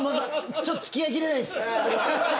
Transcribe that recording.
ちょっと付き合いきれないです。